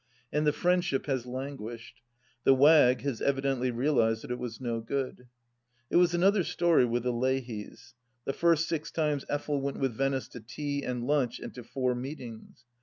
And the friendship has lan guished. The Wagg has evidently realized that it was no good. It was another story with the Leahys. The first six times Effel went with Venice to tea, and lunch, and to four meetings.